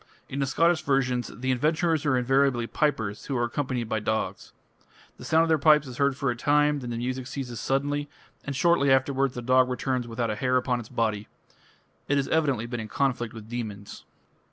In the Scottish versions the adventurers are invariably pipers who are accompanied by dogs. The sound of the pipes is heard for a time; then the music ceases suddenly, and shortly afterwards the dog returns without a hair upon its body. It has evidently been in conflict with demons.